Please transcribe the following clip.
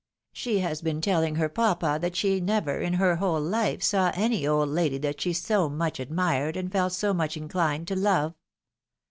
She has been telling hei? papa that she never in her whole life saw any old lady that she so much admired, and felt so much inclined to love.